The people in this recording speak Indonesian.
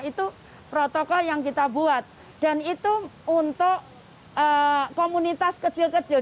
itu protokol yang kita buat dan itu untuk komunitas kecil kecil